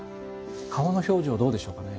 顔の表情はどうでしょうかね？